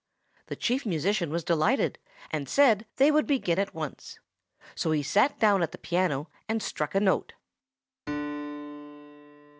The Chief Musician was delighted, and said they would begin at once. So he sat down at the piano, and struck a note.